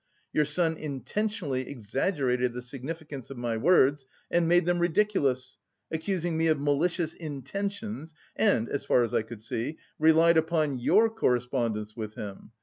Your son intentionally exaggerated the significance of my words and made them ridiculous, accusing me of malicious intentions, and, as far as I could see, relied upon your correspondence with him.